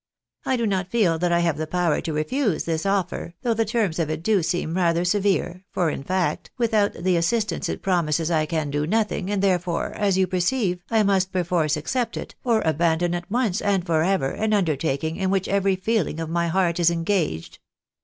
I do not feel that I have the power to refuse this offer, though the terms of it do seem rather severe, for in fact, without the assistance it promises I can do nothing, and therefore, as you perceive, I must perforce accept it, or abandon at once and for ever an undertaking in which every feeling of my heart is engaged."